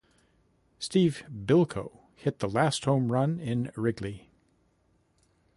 Steve Bilko hit the last home run in Wrigley.